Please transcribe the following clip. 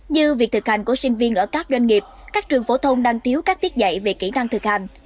như việc thực hành của sinh viên ở các doanh nghiệp các trường phổ thông đang thiếu các tiết dạy về kỹ năng thực hành